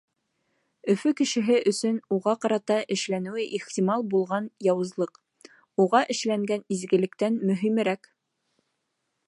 Өфө кешеһе өсөн уға ҡарата эшләнеүе ихтимал булған яуызлыҡ, уға эшләнгән изгелектән мөһимерәк.